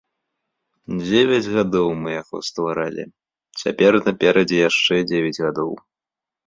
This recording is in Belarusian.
Дзевяць гадоў мы яго стваралі, цяпер наперадзе яшчэ дзевяць гадоў.